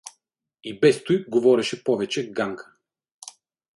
И без туй говореше повече Ганка.